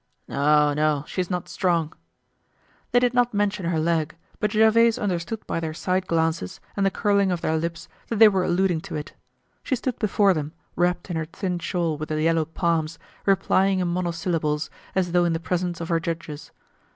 "No, no, she's not strong." They did not mention her leg; but Gervaise understood by their side glances, and the curling of their lips, that they were alluding to it. She stood before them, wrapped in her thin shawl with the yellow palms, replying in monosyllables, as though in the presence of her judges.